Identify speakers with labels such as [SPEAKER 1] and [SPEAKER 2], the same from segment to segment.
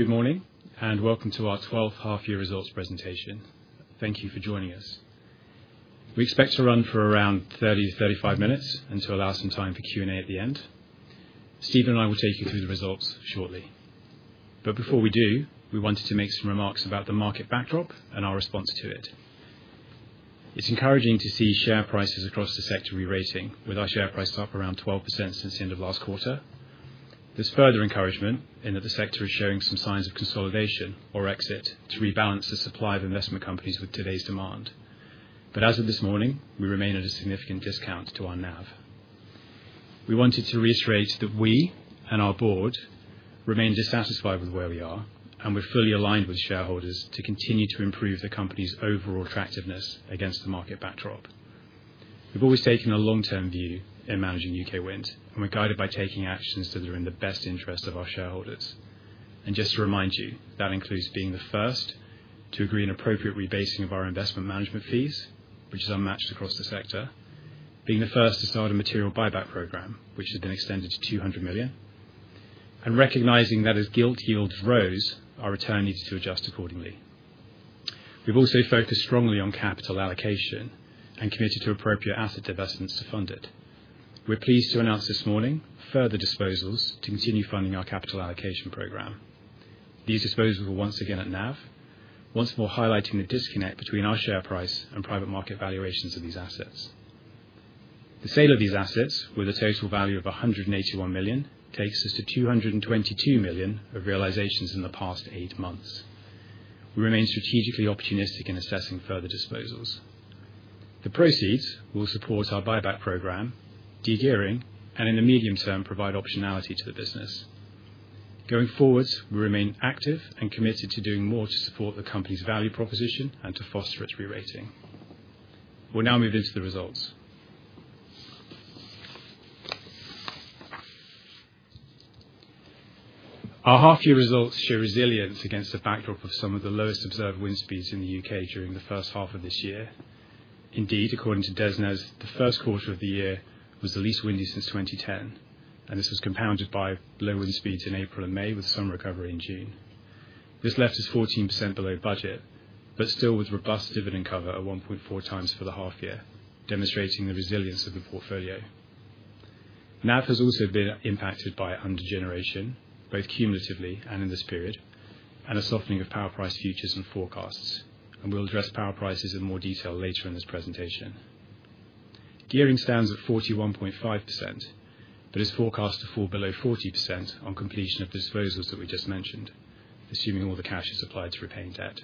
[SPEAKER 1] Good morning and welcome to our twelfth half year results presentation. Thank you for joining us. We expect to run for around thirty to thirty five minutes and to allow some time for Q and A at the end. Stephen and I will take you through the results shortly. But before we do, we wanted to make some remarks about the market backdrop and our response to it. It's encouraging to see share prices across the sector rerating with our share price up around 12% since the end of last quarter. There's further encouragement in that the sector is showing some signs of consolidation or exit to rebalance the supply of investment companies with today's demand. But as of this morning, we remain at a significant discount to our NAV. We wanted to reiterate that we and our Board remain dissatisfied with where we are and we're fully aligned with shareholders to continue to improve the company's overall attractiveness against the market backdrop. We've always taken a long term view in managing UK wind and we're guided by taking actions that are in the best interest of our shareholders. And just to remind you that includes being the first to agree an appropriate rebasing of our investment management fees, which is unmatched across the sector being the first to start a material buyback program, which has been extended to £200,000,000 and recognizing that as gilt yields rose our return needs to adjust accordingly. We've also focused strongly on capital allocation and committed to appropriate asset divestments to fund it. We're pleased to announce this morning further disposals to continue funding our capital allocation program. These disposals are once again at NAV once more highlighting the disconnect between our share price and private market valuations of these assets. The sale of these assets with a total value of £181,000,000 takes us to £222,000,000 of realizations in the past eight months. We remain strategically opportunistic in assessing further disposals. The proceeds will support our buyback program, de gearing and in the medium term provide optionality to the business. Going forward, we remain active and committed to doing more to support the company's value proposition and to foster its rerating. We'll now move into the results. Our half year results show resilience against the backdrop of some of the lowest observed wind speeds in The U. K. During the first half of this year. Indeed according to DESNAS, the first quarter of the year was the least windy since 2010 and this was compounded by low wind speeds in April and May with some recovery in June. This left us 14% below budget, but still with robust dividend cover of 1.4 times for the half year, demonstrating the resilience of the portfolio. NAV has also been impacted by under generation both cumulatively and in this period and a softening of power price futures and forecasts. And we'll address power prices in more detail later in this presentation. Gearing stands at 41.5%, but is forecast to fall below 40% on completion of disposals that we just mentioned, assuming all the cash is applied to repaying debt.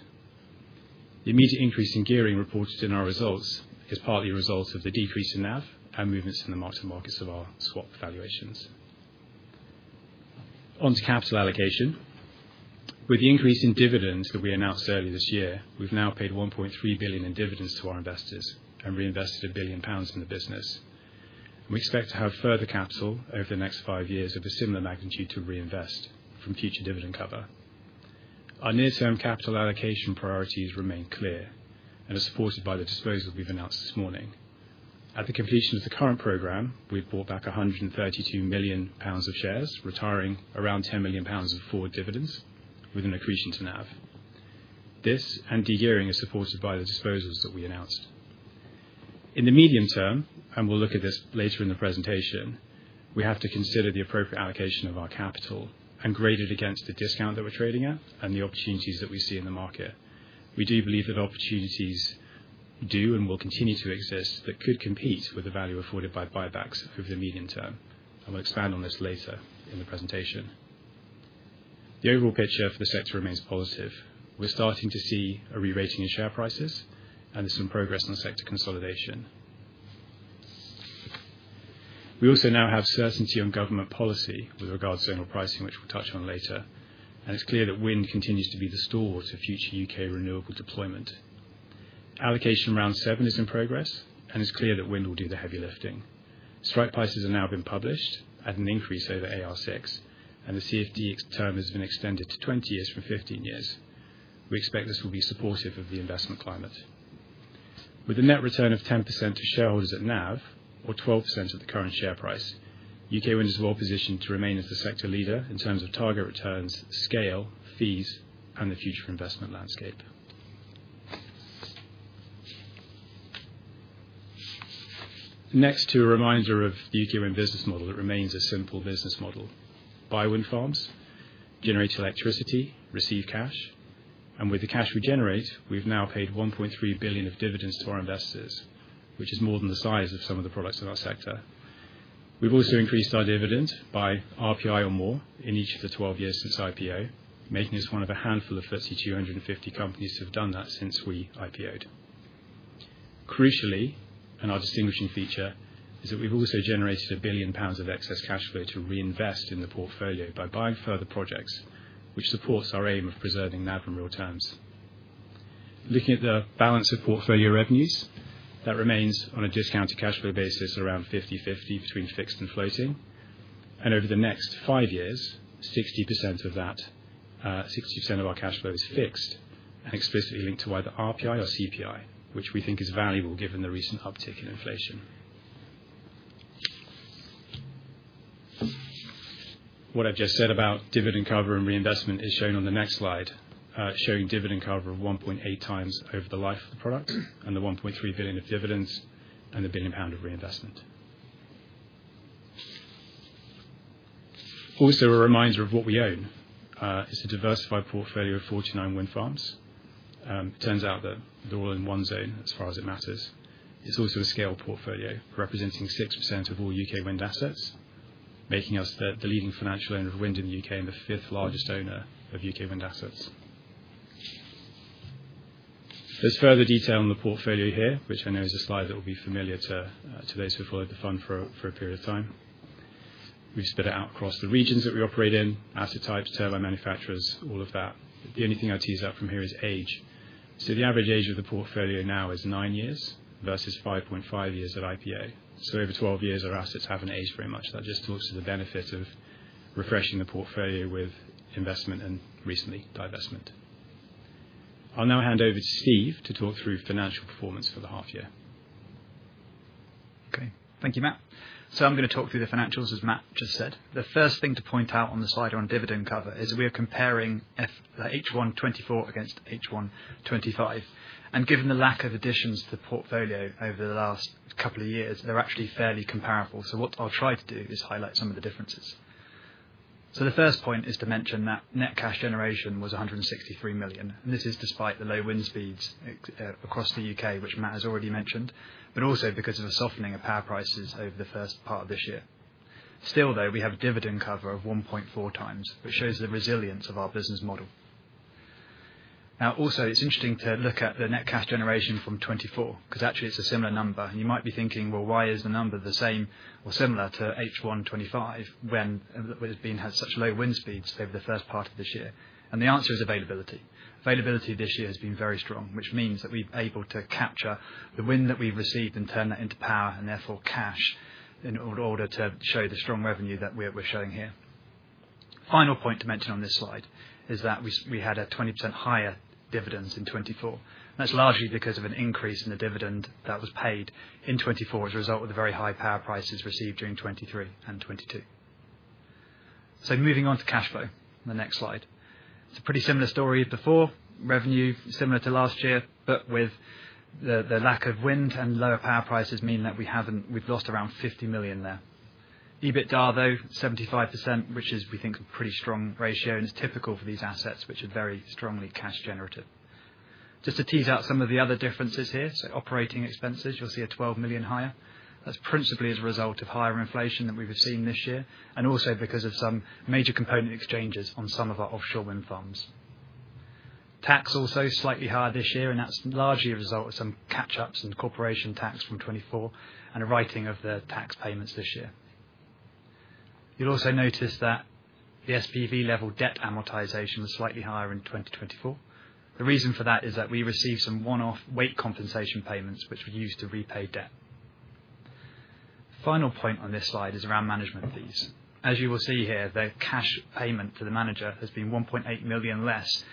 [SPEAKER 1] The immediate increase in gearing reported in our results is partly a result of the decrease in NAV and movements in the mark to markets of our swap valuations. On to capital allocation. With the increase in dividends that we announced earlier this year, we've now paid £1,300,000,000 in dividends to our investors and reinvested £1,000,000,000 in the business. We expect to have further capital over the next five years of a similar magnitude to reinvest from future dividend cover. Our near term capital allocation priorities remain clear and are supported by the disposal we've announced this morning. At the completion of the current program, we bought back £132,000,000 of shares retiring around £10,000,000 of forward dividends with an accretion to NAV. This and de gearing is supported by the disposals that we announced. In the medium term and we'll look at this later in the presentation, we have to consider the appropriate allocation of our capital and graded against the discount that we're trading at and the opportunities that we see in the market. We do believe that opportunities do and will continue to exist that could compete with the value afforded by buybacks over the medium term. I'll expand on this later in the presentation. The overall picture for the sector remains positive. We're starting to see a rerating in share prices and there's some progress on sector consolidation. We also now have certainty on government policy with regards to pricing, which we'll touch on later. And it's clear that wind continues to be the store to future U. K. Renewable deployment. Allocation round seven is in progress and it's clear that wind will do the heavy lifting. Strike prices have now been published at an increase over AR6 and the CFD term has been extended to twenty years from fifteen years. We expect this will be supportive of the investment climate. With a net return of 10% to shareholders at NAV or 12% of the current share price, UK WIN is well positioned to remain as the sector leader in terms of target returns, scale, fees and the future investment landscape. Next to a reminder of The UK wind business model, it remains a simple business model. Buy wind farms, generate electricity, receive cash and with the cash we generate, we've now paid £1,300,000,000 of dividends to our investors, which is more than the size of some of the products in our sector. We've also increased our dividend by RPI or more in each of the twelve years since IPO, making us one of a handful of thirty two fifty companies who have done that since we IPO ed. Crucially and our distinguishing feature is that we've also generated £1,000,000,000 of excess cash flow to reinvest in the portfolio by buying further projects, which supports our aim of preserving NAV in real terms. Looking at the balance of portfolio revenues that remains on a discounted cash flow basis around fifty-fifty between fixed and floating. And over the next five years 60% of that 60% of our cash flow is fixed and explicitly linked to either RPI or CPI, which we think is valuable given the recent uptick in inflation. What I've just said about dividend cover and reinvestment is shown on the next slide, showing dividend cover of 1.8 times over the life product and the £1,300,000,000 of dividends and the £1,000,000,000 of reinvestment. Also a reminder of what we own. It's a diversified portfolio of 49 wind farms. It turns out that they're all in one zone as far as it matters. It's also a scaled portfolio representing 6% of all U. K. Wind assets making us the leading financial owner of wind in The U. K. And the fifth largest owner of U. K. Wind assets. There's further detail on the portfolio here, which I know is a slide that will be familiar to those who followed the fund for a period of time. We've split it out across the regions that we operate in, asset types, turbine manufacturers, all of that. The only thing I tease out from here is age. So the average age of the portfolio now is nine years versus five point five years at IPO. So over twelve years our assets haven't aged very much. That just talks to the benefit of refreshing the portfolio with investment and recently divestment. I'll now hand over to Steve to talk through financial performance for the half year.
[SPEAKER 2] Okay. Thank you, Matt. So I'm going to talk through the financials as Matt just said. The first thing to point out on the slide on dividend cover is we are comparing H1 twenty twenty four against H1 twenty twenty five. And given the lack of additions to the portfolio over the last couple of years, they're actually fairly comparable. So what I'll try to do is highlight some of the differences. So the first point is to mention that net cash generation was £163,000,000 and this is despite the low wind speeds across The U. K. Which Matt has already mentioned, but also because of the softening of power prices over the first part of this year. Still though we have dividend cover of 1.4 times, which shows the resilience of our business model. Now also it's interesting to look at the net cash generation from '24, because actually it's a similar number. And you might be thinking well why is the number the same or similar to H1 twenty twenty five when it's been had such low wind speeds over the first part of this year? And the answer is availability. Availability this year has been very strong, which means that we've able to capture the wind that we've received and turn that into power and therefore cash in order to show the strong revenue that we're showing here. Final point to mention on this slide is that we had a 20% higher dividends in 2024. That's largely because of an increase in the dividend that was paid in 2024 as a result of the very high power prices received during 2023 and 2022. So moving on to cash flow on the next slide. It's a pretty similar story before. Revenue similar to last year, but with the lack of wind and lower power prices mean that we haven't we've lost around £50,000,000 there. EBITDA though 75%, which is we think a pretty strong ratio and is typical for these assets which are very strongly cash generative. Just to tease out some of the other differences here. So operating expenses you'll see a £12,000,000 higher. That's principally as a result of higher inflation than we've seen this year and also because of some major component exchanges on some of our offshore wind farms. Tax also slightly higher this year and that's largely a result of some catch ups in corporation tax from 2024 and a writing of the tax payments this year. You'll also notice that the SPV level debt amortization was slightly higher in 2024. The reason for that is that we received some one off weight compensation payments which were used to repay debt. Final point on this slide is around management fees. As you will see here the cash payment to the manager has been £1,800,000 less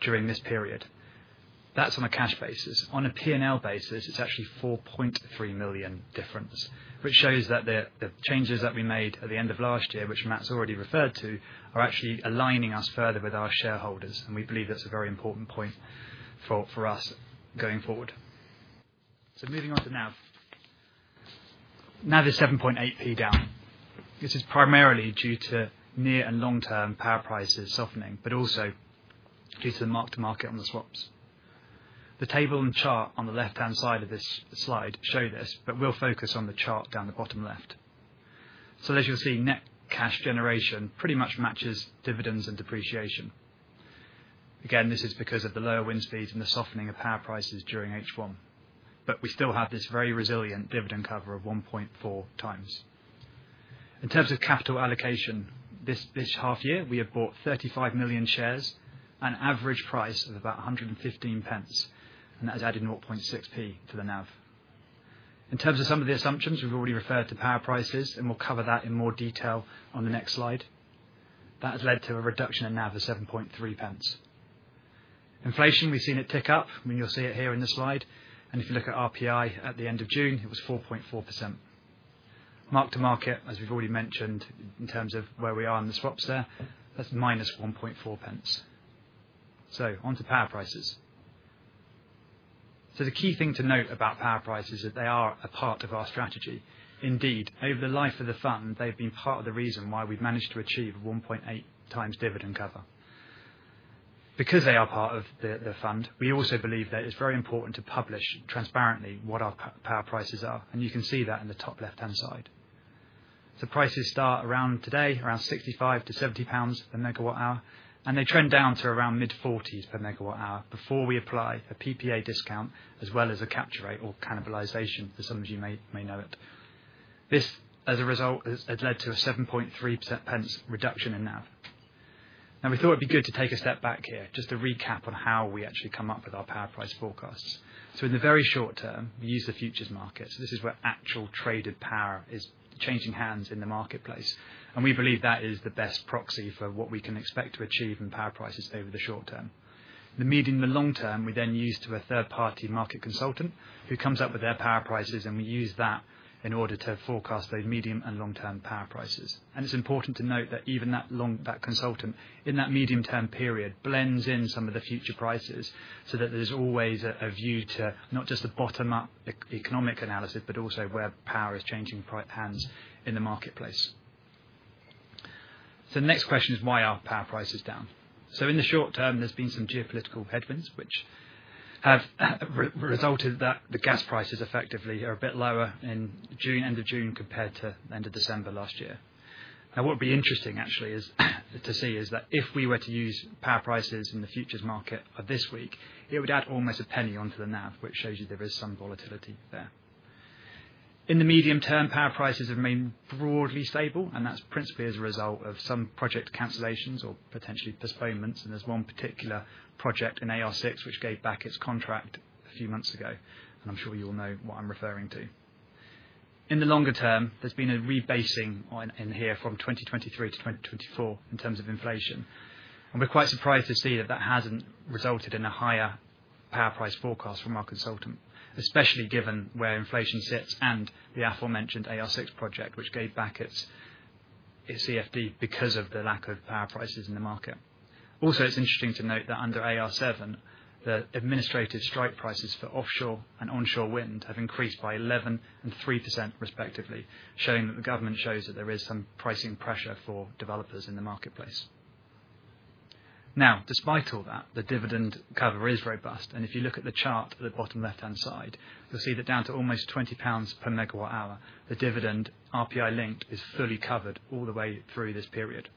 [SPEAKER 2] during this period. That's on a cash basis. On a P and L basis, it's actually £4,300,000 difference, which shows that the changes that we made at the end of last year, which Matt's already referred to, are actually aligning us further with our shareholders. And we believe that's a very important point for us going forward. So moving on to NAV. NAV is 7.8p down. This is primarily due to near and long term power prices softening, but also due to the mark to market on the swaps. The table and chart on the left hand side of this slide show this, but we'll focus on the chart down the bottom left. So as you'll see net cash generation pretty much matches dividends and depreciation. Again this is because of the lower wind speeds and the softening of power prices during H1. But we still have this very resilient dividend cover of 1.4 times. In terms of capital allocation, this half year we have bought 35,000,000 shares at an average price of about 115p and that has added 0.6p to the NAV. In terms of some of the assumptions we've already referred to power prices and we'll cover that in more detail on the next slide. That has led to a reduction in NAV of 7.3p. Inflation we've seen a tick up. Mean you'll see it here in the slide. And if you look at RPI at the June it was 4.4%. Mark to market as we've already mentioned in terms of where we are in the swaps there that's minus 1.4p. So on to power prices. So the key thing to note about power prices is that they are a part of our strategy. Indeed over the life of the fund they've been part of the reason why we've managed to achieve 1.8 times dividend cover. Because they are part of the fund, we also believe that it's very important to publish transparently what our power prices are and you can see that in the top left hand side. So prices start around today around £65 to £70 per megawatt hour and they trend down to around mid-40s per megawatt hour before we apply a PPA discount as well as a capture rate or cannibalization as some of you may know it. This as a result has led to a 7.3p reduction in NAV. And we thought it'd be good to take a step back here just to recap on how we actually come up with our power price forecasts. So in the very short term, we use the futures market. This is where actual traded power is changing hands in the marketplace. And we believe that is the best proxy for what we can expect to achieve in power prices over the short term. The medium and the long term, we then use to a third party market consultant who comes up with their power prices and we use that in order to forecast those medium and long term power prices. And it's important to note that even that long that consultant in that medium term period blends in some of the future prices so that there's always a view to not just the bottom up economic analysis, but also where power is changing hands in the marketplace. So next question is why are power prices down? So in the short term there's been some geopolitical headwinds, which have resulted that the gas prices effectively are a bit lower in June June compared to December. Now what would be interesting actually is to see is that if we were to use power prices in the futures market this week, it would add almost $01 onto the NAV, shows you there is some volatility there. In the medium term power prices have remained broadly stable and that's principally as a result of some project cancellations or potentially postponements. And there's one particular project in AR6, which gave back its contract a few months ago. And I'm sure you all know what I'm referring to. In the longer term, there's been a rebasing in here from twenty twenty three to twenty twenty four in terms of inflation. And we're quite surprised to see that that hasn't resulted in a higher power price forecast from our consultant, especially given where inflation sits and the aforementioned AR6 project which gave back its CFD because of the lack of power prices in the market. Also it's interesting to note that under AR7 the administrative strike prices for offshore and onshore wind have increased by 113% respectively showing that the government shows that there is some pricing pressure for developers in the marketplace. Now despite all that, the dividend cover is robust. And if you look at the chart at the bottom left hand side, you'll see that down to almost £20 per megawatt hour, the dividend RPI linked is fully covered all the way through this period.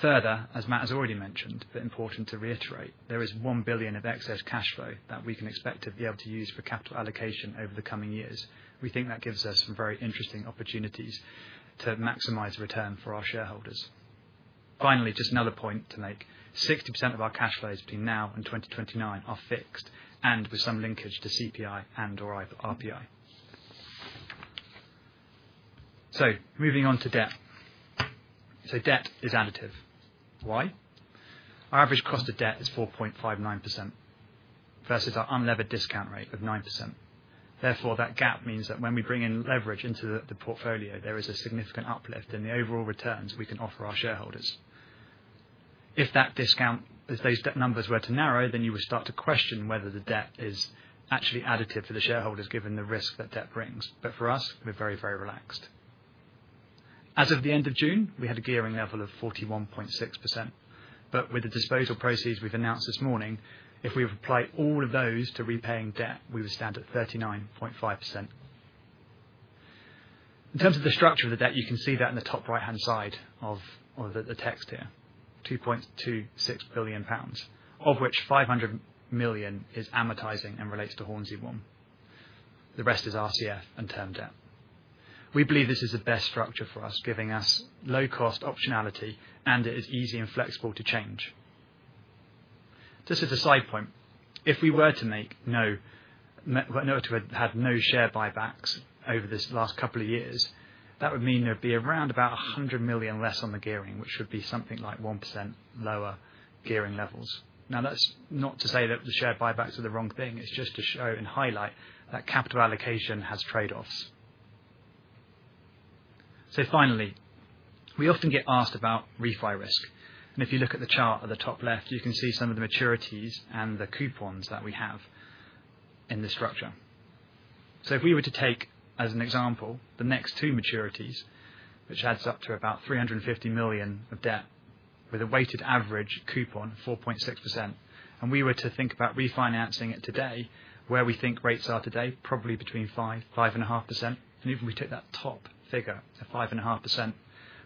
[SPEAKER 2] Further, as Matt has already mentioned, but important to reiterate, there is £1,000,000,000 of excess cash flow that we can expect to be able to use for capital allocation over the coming years. We think that gives us some very interesting opportunities to maximize return for our shareholders. Finally, just another point to make. 60% of our cash flows between now and 2029 are fixed and with some linkage to CPI and or RPI. So moving on to debt. So debt is additive. Why? Our average cost of debt is 4.59% versus our unlevered discount rate of 9%. Therefore that gap means that when we bring in leverage into the portfolio there is a significant uplift in the overall returns we can offer our shareholders. If that discount if those debt numbers were to narrow then you will start to question whether the debt is actually additive to the shareholders given the risk that debt brings. But for us we're very, very relaxed. As of the June, we had a gearing level of 41.6%. But with the disposal proceeds we've announced this morning, if we have applied all of those to repaying debt, would stand at 39.5%. In terms of the structure of the debt, can see that in the top right hand side of the text here, pounds 2,260,000,000.00 of which £500,000,000 is amortizing and relates to Hornsey one. The rest is RCF and term debt. We believe this is the best structure for us giving us low cost optionality and it is easy and flexible to change. Just as a side point, if we were to make no not to have had no share buybacks over this last couple of years that would mean there'd be around about £100,000,000 less on the gearing which should be something like 1% lower gearing levels. Now that's not to say that the share buybacks are the wrong thing. It's just to show and highlight that capital allocation has trade offs. So finally, we often get asked about refi risk. And if you look at the chart at the top left, can see some of the maturities and the coupons that we have in the structure. So if we were to take as an example the next two maturities, which adds up to about £350,000,000 of debt with a weighted average coupon of 4.6%. And we were to think about refinancing it today where we think rates are today probably between 5%, 5.5%. And even we took that top figure of 5.5%,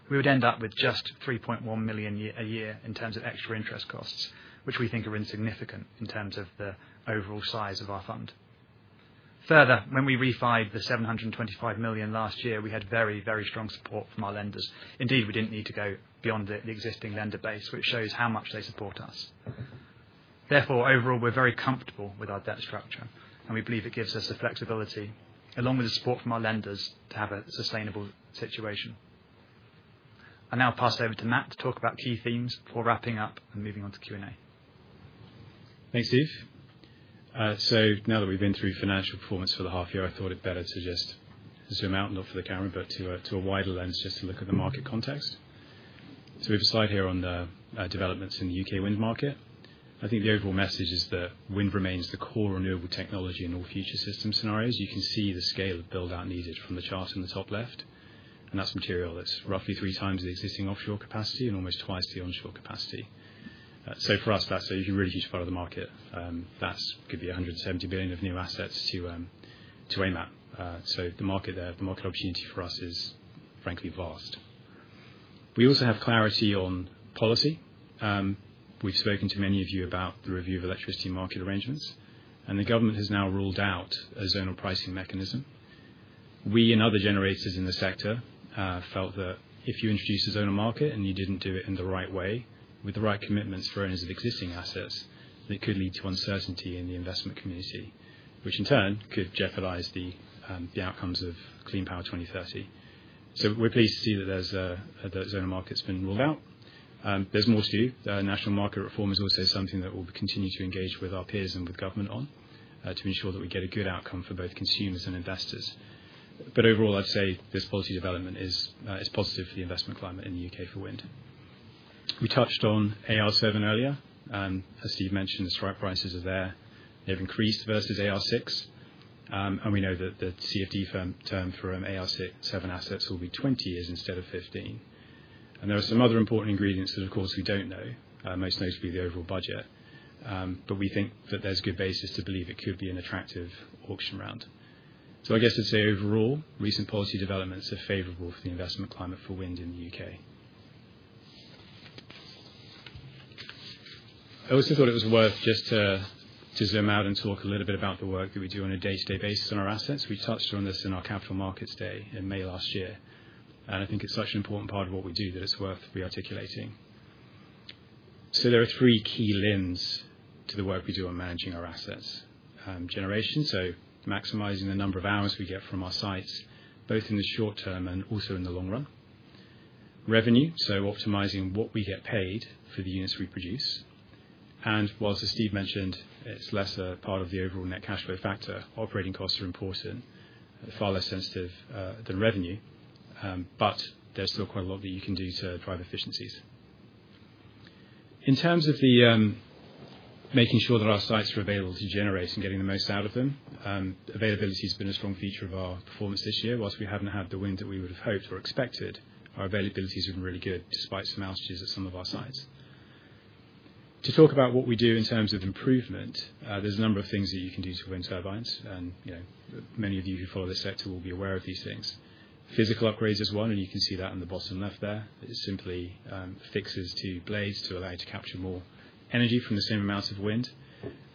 [SPEAKER 2] we would end up with just £3,100,000 a year in terms of extra interest costs, which we think are insignificant in terms of the overall size of our fund. Further, when we refied the £725,000,000 last year, had very, very strong support from our lenders. Indeed, we didn't need to go beyond the existing lender base, which shows how much they support us. Therefore, overall, we're very comfortable with our debt structure and we believe it gives us the flexibility along with the support from our lenders to have a sustainable situation. I'll now pass it over to Matt to talk about key themes before wrapping up and moving on to Q and A.
[SPEAKER 1] Thanks, Steve. So now that we've been through financial performance for the half year, thought it better to just zoom out not for the camera, but to a wider lens just to look at the market context. So we have a slide here on the developments in The U. K. Wind market. I think the overall message is that wind remains the core renewable technology in all future system scenarios. You can see the scale of build out needed from the chart in the top left. And that's material. It's roughly three times the existing offshore capacity and almost twice the onshore capacity. So for us, that's a huge part of the market. That could be £170,000,000,000 of new assets to AMAP. So the market opportunity for us is frankly vast. We also have clarity on policy. We've spoken to many of you about the review of electricity market arrangements. And the government has now ruled out a zonal pricing mechanism. We and other generators in the sector felt that if you introduce a zonal market and you didn't do it in the right way, with the right commitments for owners of existing assets, they could lead to uncertainty in the investment community, which in turn could jeopardize the outcomes of Clean Power 02/1930. So we're pleased to see that there's that the zone of market has been rolled out. There's more to do. National market reform is also something that we'll continue to engage with our peers and with government on to ensure that we get a good outcome for both consumers and investors. But overall, I'd say this policy development is positive for the investment climate in The U. K. For wind. We touched on AR7 earlier. And as Steve mentioned, the strike prices are there. They've increased versus AR6. And we know that the CFD term for AR7 assets will be twenty years instead of fifteen. And there are some other important ingredients that, of course, we don't know, most notably the overall budget. But we think that there's good basis to believe it could be an attractive auction round. So I guess I'd say overall recent policy developments are favorable for the investment climate for wind in The UK. I also thought it was worth just to zoom out and talk a little bit about the work that we do on a day to day basis on our assets. We touched on this in our Capital Markets Day in May. And I think it's such an important part of what we do that it's worth re articulating. So there are three key lens to the work we do on managing our assets. Generation, so maximizing the number of hours we get from our sites, both in the short term and also in the long run. Revenue, so optimizing what we get paid for the units we produce. And whilst as Steve mentioned, it's less a part of the overall net cash flow factor, operating costs are important, far less sensitive than revenue, but there's still quite a lot that you can do to drive efficiencies. In terms of the making sure that our sites are available to generate and getting the most out of them, availability has been a strong feature of our performance this year. Whilst we haven't had the wind that we would have hoped or expected, our availability has been really good despite some outages at some of our sites. To talk about what we do in terms of improvement, there's a number of things that you can do to wind turbines. And many of you who follow this sector will be aware of these things. Physical upgrades is one and you can see that in the bottom left there. It is simply fixes to blades to allow you to capture more energy from the same amount of wind.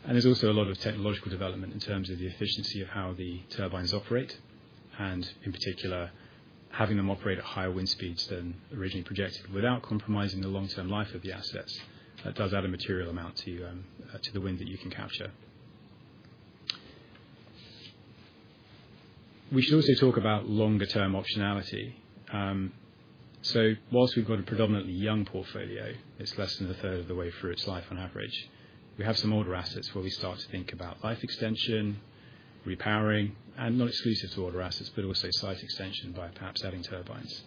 [SPEAKER 1] And there's also a lot of technological development in terms of the efficiency of how the turbines operate and in particular having them operate at higher wind speeds than originally projected without compromising the long term life of the assets does add a material amount to the wind that you can capture. We should also talk about longer term optionality. So whilst we've got a predominantly young portfolio, it's less than a third of the way through its life on average. We have some older assets where we start to think about life extension, repowering and not exclusive to order assets, but also site extension by perhaps adding turbines.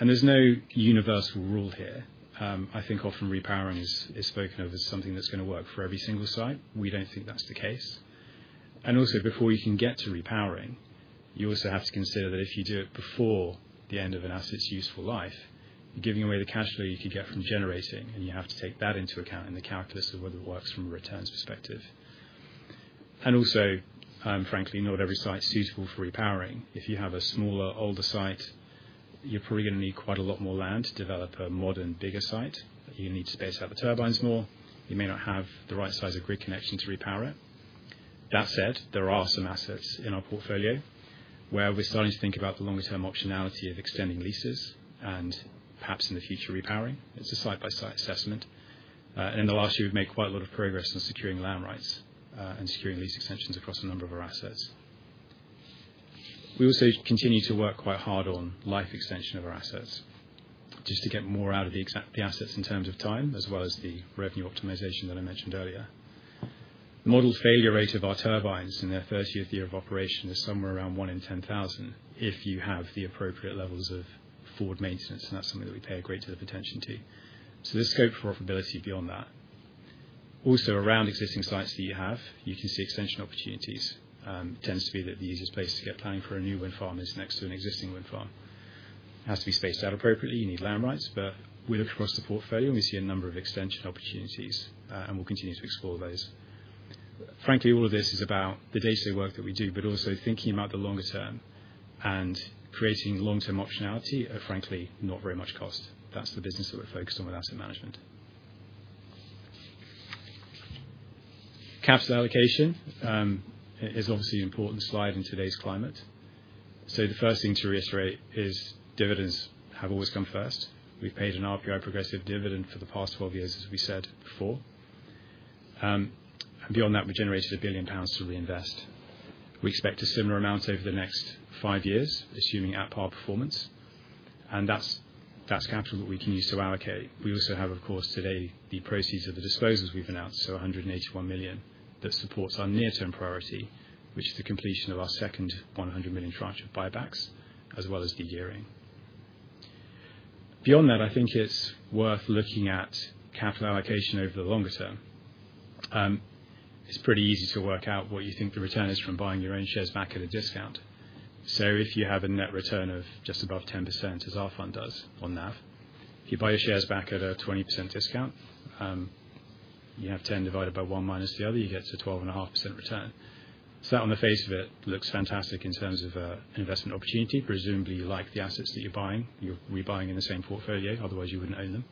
[SPEAKER 1] And there's no universal rule here. I think often repowering is spoken of as something that's going to work for every single site. We don't think that's the case. And also before you can get to repowering, you also have to consider that if you do it before the end of an asset's useful life, giving away the cash flow you could get from generating and you have to take that into account in the calculus of whether it works from a returns perspective. And also, frankly, not every site is suitable for repowering. If you have a smaller older site, you're probably going need quite a lot more land to develop a modern bigger site. You need to space out the turbines more. You may not have the right size of grid connection to repower it. That said, there are some assets in our portfolio where we're starting to think about the longer term optionality of extending leases and perhaps in the future repowering. It's a site by site assessment. In the last year, we've made quite a lot of progress in securing land rights and securing lease extensions across a number of our assets. We also continue to work quite hard on life extension of our assets, just to get more out of the assets in terms of time as well as the revenue optimization that I mentioned earlier. Model failure rate of our turbines in their first year of operation is somewhere around one in ten thousand if you have the appropriate levels of forward maintenance and that's something that we pay a great deal of attention to. So there's scope for profitability beyond that. Also around existing sites that you have, you can see extension opportunities. It tends to be that the easiest place to get planning for a new wind farm is next to an existing wind farm. It has to be spaced out appropriately. You need land rights, but we look across the portfolio and we see a number of extension opportunities and we'll continue to explore those. Frankly, all of this is about the day to day work that we do, but also thinking about the longer term and creating long term optionality of frankly not very much cost. That's the business that we're focused on with Asset Management. Capital allocation is obviously an important slide in today's climate. So the first thing to reiterate is dividends have always come first. We've paid an RPI progressive dividend for the past twelve years as we said before. And beyond that, we generated £1,000,000,000 to reinvest. We expect a similar amount over the next five years, assuming at par performance. And that's capital we can use to allocate. We also have, of course, today the proceeds of the disposals we've announced, so 181,000,000 that supports our near term priority, which is the completion of our second £100,000,000 tranche of buybacks as well as the gearing. Beyond that, I think it's worth looking at capital allocation over the longer term. It's pretty easy to work out what you think the return is from buying your own shares back at a discount. So if you have a net return of just above 10% as our fund does on NAV, if you buy your shares back at a 20% discount, you have 10 divided by one minus the other, you get to 12.5% return. So on the face of it, it looks fantastic in terms of investment opportunity. Presumably, like the assets that you're buying, you're rebuying in the same portfolio, otherwise you wouldn't own them.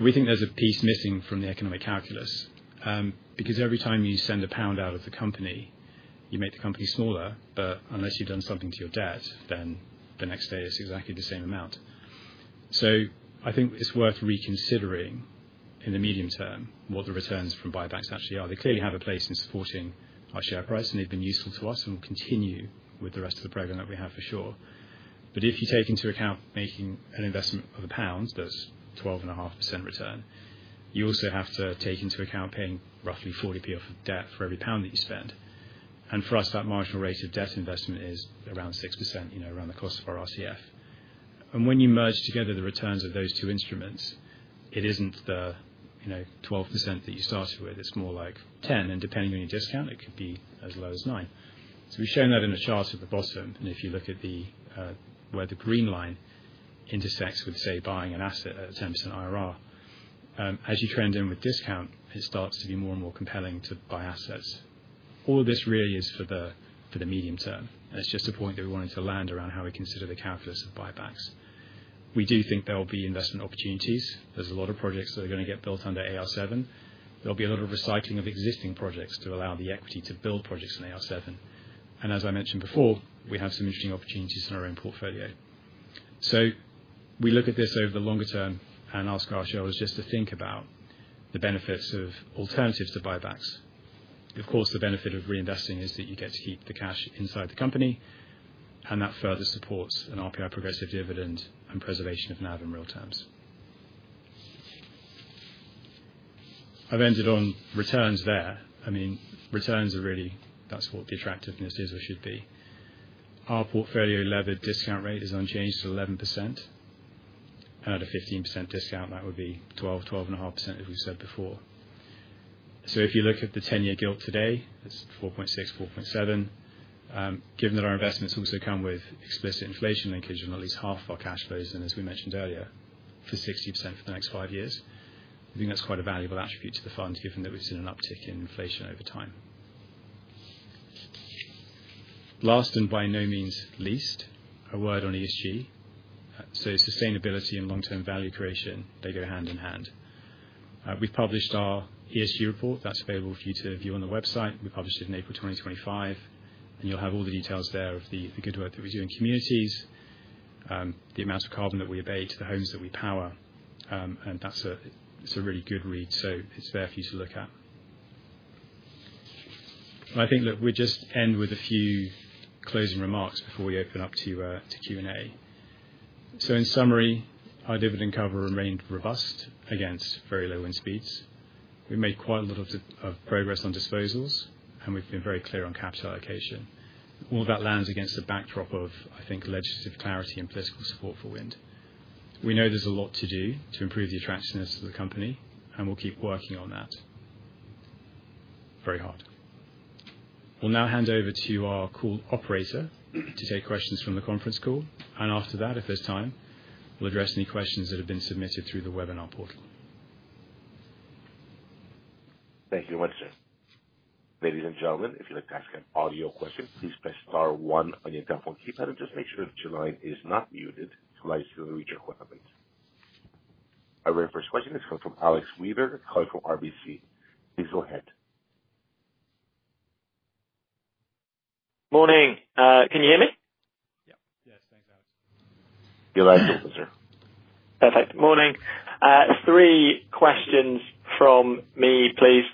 [SPEAKER 1] We think there's a piece missing from the economic calculus, because every time you send a pound out of the company, you make the company smaller, but unless you've done something to your debt then the next day is exactly the same amount. So I think it's worth reconsidering in the medium term what the returns from buybacks actually are. They clearly have a place in supporting our share price and they've been useful to us and will continue with the rest of the program that we have for sure. But if you take into account making an investment of the pound, that's 12.5% return, you also have to take into account paying roughly 40p of debt for every pound that you spend. And for us that marginal rate of debt investment is around 6% around the cost of our RCF. And when you merge together the returns of those two instruments, it isn't the 12% that you started with, it's more like 10%. And depending on your discount, it could be as low as 9%. So we've shown that in the chart at the bottom. And if you look at the where the green line intersects with say buying an asset at 10% IRR, as you trend in with discount, it starts to be more and more compelling to buy assets. All of this really is for the medium term. And it's just a point that we wanted to land around how we consider the calculus of buybacks. We do think there will be investment opportunities. There's a lot of projects that are going to get built under AR7. There'll be a lot of recycling of existing projects to allow the equity to build projects in AR7. And as I mentioned before, we have some interesting opportunities in our own portfolio. So we look at this over the longer term and ask our shareholders just to think about the benefits of alternatives to buybacks. Of course, the benefit of reinvesting is that you get to keep the cash inside the company and that further supports an RPI progressive dividend and preservation of NAV in real terms. I've ended on returns there. I mean returns are really that's what the attractiveness is or should be. Our portfolio levered discount rate is unchanged at 11%. And at a 15% discount that would be 12%, 12.5% as we said before. So if you look at the ten year GILT today, it's 4.6%, 4.7 Given that our investments also come with explicit inflation linkage on at least half of our cash flows and as we mentioned earlier for 60% for the next five years, I think that's quite a valuable attribute to the fund given that we've seen an uptick in inflation over time. Last and by no means least, a word on ESG. So sustainability and long term value creation, they go hand in hand. We've published our ESG report that's available for you to view on the website. We published it in April 2025 And you'll have all the details there of the good work that we do in communities, the amount of carbon that we abate to the homes that we power. And that's a really good read. So it's there for you to look at. And I think that we'll just end with a few closing remarks before we open up to Q and A. So in summary, our dividend cover remained robust against very low wind speeds. We made quite a lot of progress on disposals and we've been very clear on capital allocation. All that lands against the backdrop of I think legislative clarity and political support for wind. We know there's a lot to do to improve the attractiveness of the company and we'll keep working on that very hard. We'll now hand over to our call operator to take questions from the conference call. And after that at this time, we'll address any questions that have been submitted through the webinar portal.
[SPEAKER 3] Thank you. Very first question is coming from Alex Wieber calling from RBC. Please go ahead.
[SPEAKER 4] Good morning. Can you hear me?
[SPEAKER 1] Yes. Thanks, Alex.
[SPEAKER 3] Your line is open, sir.
[SPEAKER 4] Perfect. Good morning. Three questions from me, please.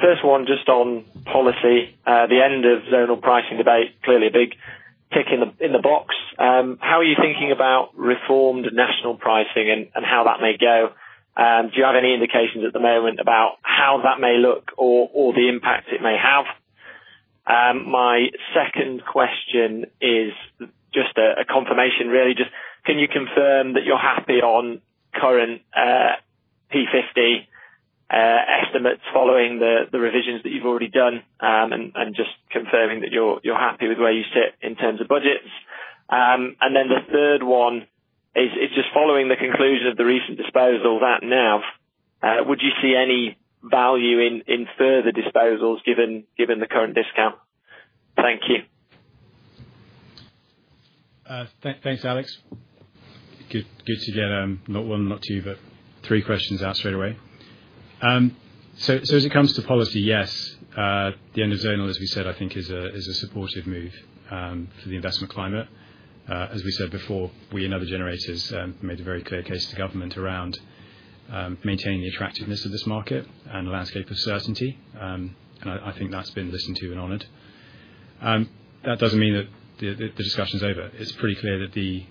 [SPEAKER 4] First one just on policy. The end of zonal pricing debate clearly a big tick in the box. How are you thinking about reformed national pricing and how that may go? Do you have any indications at the moment about how that may look or the impact it may have? My second question is just a confirmation really. Just can you confirm that you're happy on current P50 estimates following the revisions that you've already done and just confirming that you're happy with where you sit in terms of budgets? And then the third one is just following the conclusion of the recent disposals at NAV, would you see any value in further disposals given the current discount? Thank you.
[SPEAKER 1] Thanks, Alex. Good to get not one, not two, but three questions out straight away. So as it comes to policy, yes, the endozone, as we said, I think, is a supportive move for the investment climate. As we said before, we and other generators made a very clear case to government around maintaining the attractiveness of this market and the landscape of certainty. And I think that's been listened to and honored. That doesn't mean that the discussion is over. It's pretty clear that the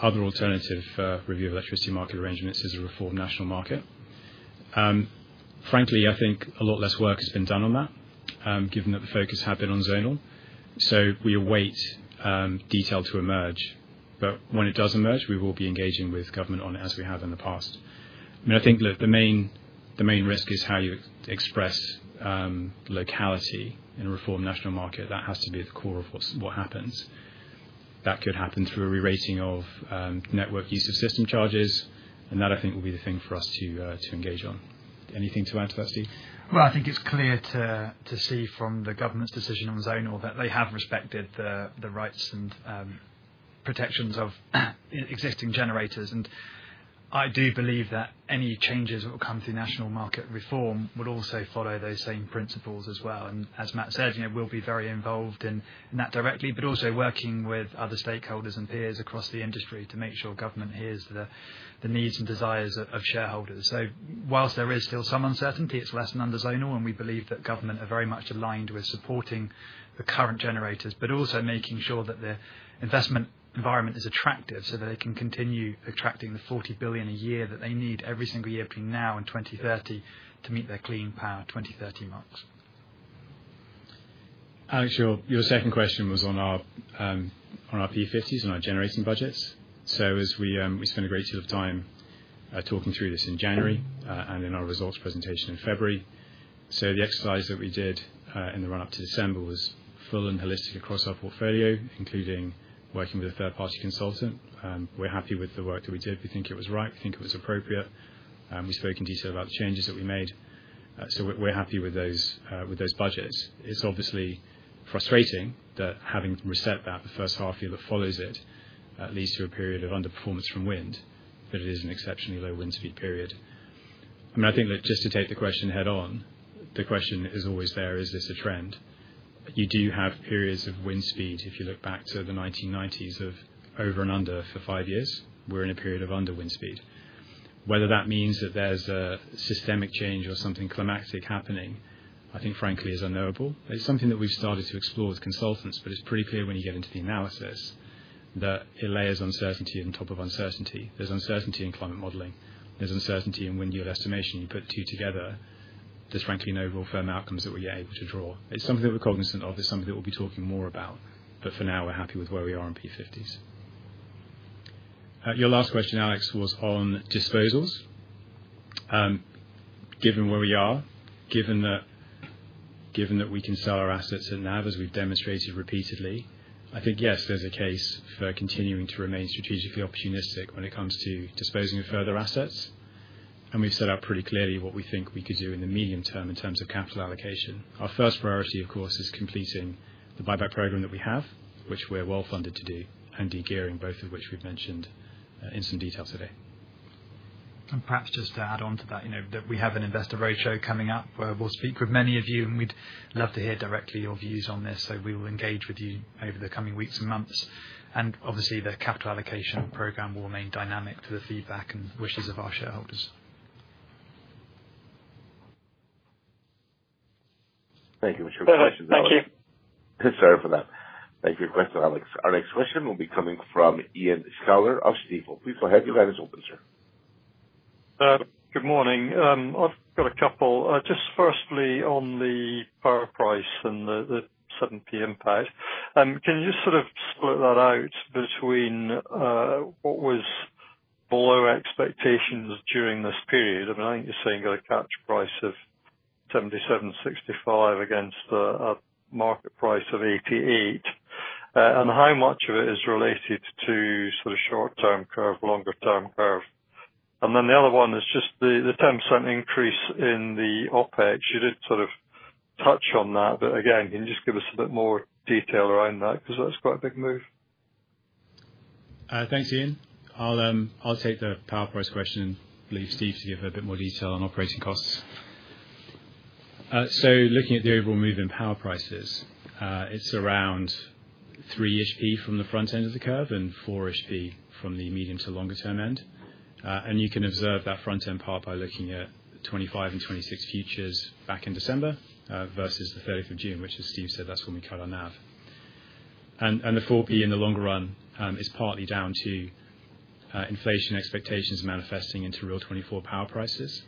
[SPEAKER 1] other alternative review of electricity market arrangements is a reformed national market. Frankly, think a lot less work has been done on that given that the focus have been on zonal. So we await detail to emerge. But when it does emerge, we will be engaging with government on it as we have in the past. And I think the main risk is how you express locality in a reformed national market. That has to be at the core of what happens. That could happen through a rerating of network use of system charges. And that I think will be the thing for us to engage on. Anything to add to that Steve?
[SPEAKER 2] Well, think it's clear to see from the government's decision on Zonal that they have respected the rights and protections of existing generators. And I do believe that any changes that will come to national market reform would also follow those same principles as well. And as Matt said, we'll be very involved in that directly, but also working with other stakeholders and peers across the industry to make sure government hears the needs and desires of shareholders. So whilst there is still some uncertainty, it's less than under zonal and we believe that government are very much aligned with supporting the current generators, but also making sure that the investment environment is attractive so that they can continue attracting the £40,000,000,000 a year that they need every single year between now and 2030 to meet their Clean Power 2030 marks.
[SPEAKER 1] Alex, your second question was on our P50s and our generating budgets. So as we spent a great deal of time talking through this in January and in our results presentation in February. So the exercise that we did in the run up to December was full and holistic across our portfolio, including working with a third party consultant. We're happy with the work that we did. We think it was right. Think it was appropriate. We spoke in detail about the changes that we made. So we're happy with those budgets. It's obviously frustrating that having reset that the first half year that follows it leads to a period of underperformance from wind, but it is an exceptionally low wind speed period. And I think that just to take the question head on, the question is always there, is this a trend? You do have periods of wind speed, if you look back to the 1990s of over and under for five years, we're in a period of under wind speed. Whether that means that there's a systemic change or something climactic happening, I think frankly is unknowable. It's something that we've started to explore with consultants, it's pretty clear when you get into the analysis that it layers uncertainty on top of uncertainty. There's uncertainty in climate modeling. There's uncertainty in wind yield estimation. You put two together, there's frankly no real firm outcomes that we are able to draw. It's something that we're cognizant of. It's something that we'll be talking more about. But for now, we're happy with where we are in P50s. Your last question, Alex, was on disposals. Given where we are, that we can sell our assets and NAV as we've demonstrated repeatedly, I think yes there's a case for continuing to remain strategically opportunistic when it comes to disposing of further assets. And we've set out pretty clearly what we think we could do in the medium term in terms of capital allocation. Our first priority of course is completing the buyback program that we have, which we're well funded to do and degearing both of which we've mentioned in some detail today.
[SPEAKER 2] And perhaps just to add on to that, we have an investor roadshow coming up where we'll speak with many of you and we'd love to hear directly your views on this. So we will engage with you over the coming weeks and months. And obviously the capital allocation program will remain dynamic to the feedback and wishes of our shareholders.
[SPEAKER 3] Thank you for your Thank questions you. Sorry for that. Thank you your question, Alex. Our next question will be coming from Ian Schuyler of Stifel. Please go ahead. Your line is open, sir.
[SPEAKER 5] Good morning. I've got a couple. Just firstly on the power price and the 70 impact. Can you just sort of split that out between what was below expectations during this period? I mean, I think you're saying you got a catch price of $77.65 against a market price of $88 And how much of it is related to sort of short term curve, longer term curve? And then the other one is just the 10% increase in the OpEx. You did sort of touch on that. But again, can you just give us a bit more detail around that because that's quite a big move?
[SPEAKER 1] Thanks, Ian. I'll take the power price question. I believe Steve can give a bit more detail on operating costs. So looking at the overall move in power prices, it's around three ishp from the front end of the curve and four ishp from the medium to longer term end. And you can observe that front end part by looking at twenty five and twenty six futures back in December versus the June 30, which as Steve said, that's when we cut our NAV. And the 4P in the longer run is partly down to inflation expectations manifesting into real 24 power prices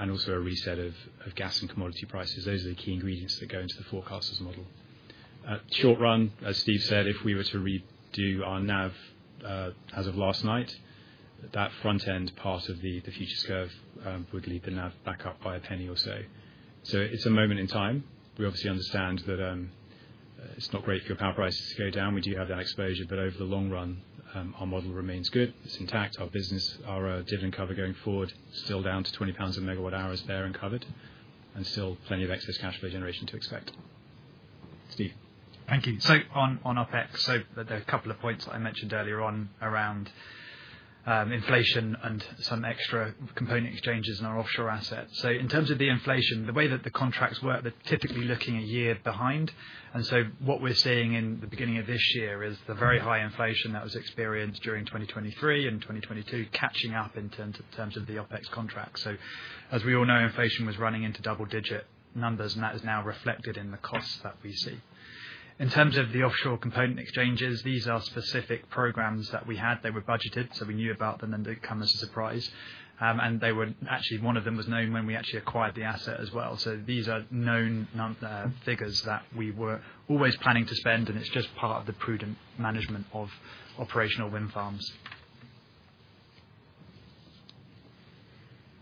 [SPEAKER 1] and also a reset of gas and commodity prices. Those are the key ingredients that go into the forecaster's model. Short run, as Steve said, if we were to redo our NAV as of last night, that front end part of the futures curve would lead the NAV back up by zero pounds or so. So it's a moment in time. We obviously understand that it's not great for your power prices to go down. We do have that exposure. But over the long run, our model remains good, It's intact. Our business our dividend cover going forward still down to £20 a megawatt hours there and covered and still plenty of excess cash flow generation to expect. Steve?
[SPEAKER 2] Thank you. So on OpEx, so there are a couple of points I mentioned earlier on around inflation and some extra component exchanges in our offshore assets. So in terms of the inflation, the way that the contracts work they're typically looking a year behind. And so what we're seeing in the beginning of this year is the very high inflation that was experienced during 2023 and 2022 catching up in terms of the OpEx contracts. So as we all know inflation was running into double digit numbers and that is now reflected in the costs that we see. In terms of the offshore component exchanges, these are specific programs that we had. They were budgeted. So we knew about them and didn't come as a surprise. And they were actually one of them was known when we actually acquired the asset as well. So these are known figures that we were always planning to spend and it's just part of the prudent management of operational wind farms.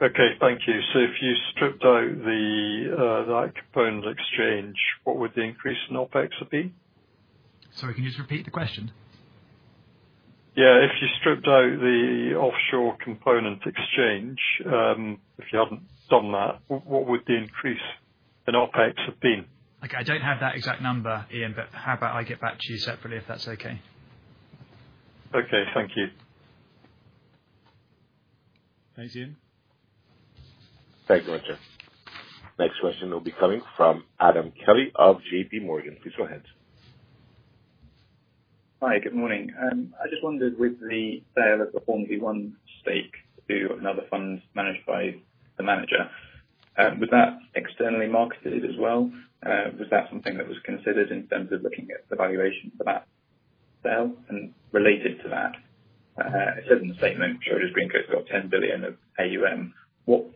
[SPEAKER 5] Okay. Thank you. So if you stripped out that component exchange what would the increase in OpEx be?
[SPEAKER 2] Sorry, you just repeat the question?
[SPEAKER 5] Yeah. If you stripped out the offshore component exchange if you haven't done that what would the increase in OpEx have been?
[SPEAKER 2] I don't have that exact number Ian, but how about I get back to you separately if that's okay.
[SPEAKER 5] Okay. Thank you.
[SPEAKER 1] Thanks Ian.
[SPEAKER 3] Thank you, Richard. Next question will be coming from Adam Kelly of JPMorgan. Please go ahead.
[SPEAKER 6] Hi, good morning. I just wondered with the Bayer that performed the one stake to another fund managed by the manager, Was that externally marketed as well? Was that something that was considered in terms of looking at the valuation for that sale? And related to that, it said in the statement, showed as Green Coast got $10,000,000,000 of AUM. What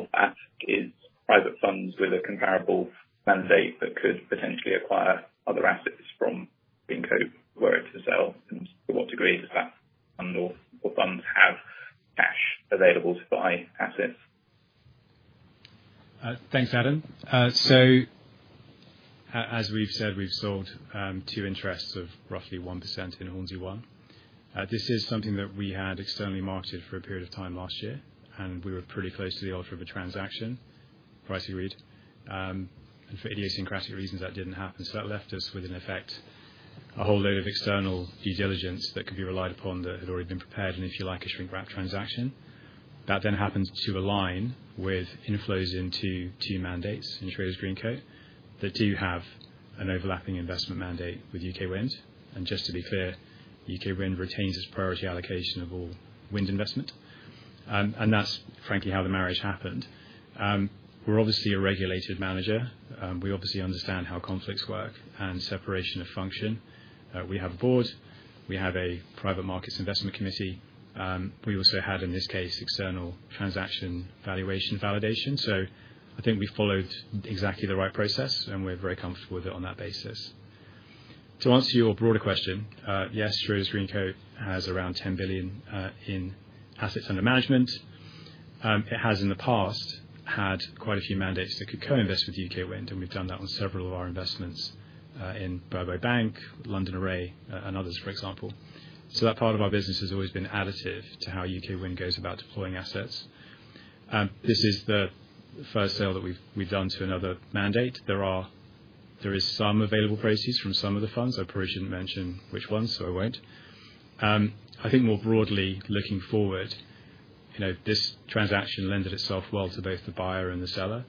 [SPEAKER 6] of that is private funds with a comparable mandate that could potentially acquire other assets from GreenCo were it to sell? And to what degree does that fund or funds have cash available to buy assets?
[SPEAKER 1] Thanks, Adam. So as we've said, we've sold two interests of roughly 1% in Hornsby One. This is something that we had externally marketed for a period of time last year and we were pretty close to the ultra of a transaction, pricey read. And for idiosyncratic reasons, that didn't happen. So that left us with an effect, a whole load of external due diligence that could be relied upon that had already been prepared and if you like a shrink-wrap transaction. That then happens to align with inflows into two mandates in Schrader's Green Coat that do have an overlapping investment mandate with U. K. Wind. And just to be clear, U. K. Wind retains its priority allocation of all wind investment. And that's frankly how the marriage happened. We're obviously a regulated manager. We obviously understand how conflicts work and separation of function. We have a Board. We have a Private Markets Investment Committee. We also had in this case external transaction valuation validation. So I think we followed exactly the right process and we're very comfortable with it on that basis. To answer your broader question, yes, Schroders GreenCo has around £10,000,000,000 in assets under management. It has in the past had quite a few mandates that could co invest with U. K. Wind, and we've done that on several of our investments in Burbank, London Array and others, for example. So that part of our business has always been additive to how U. K. Wind goes about deploying assets. This is the first sale that we've done to another mandate. There are there is some available proceeds from some of the funds. I probably shouldn't mention which ones, so I won't. I think more broadly, looking forward, this transaction lended itself well to both the buyer and the seller.